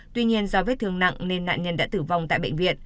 tuy nhiên do vết thương nặng nên nạn nhân đã tử vong tại bệnh viện